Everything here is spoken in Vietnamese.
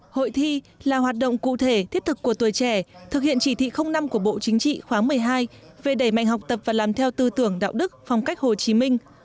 hội thi là hoạt động cụ thể thiết thực của tuổi trẻ thực hiện chỉ thị năm của bộ chính trị khóa một mươi hai về đẩy mạnh học tập và làm theo tư tưởng đạo đức phong cách hồ chí minh